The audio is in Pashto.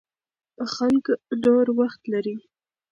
خلک نور وخت لري.